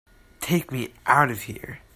Take me out of here!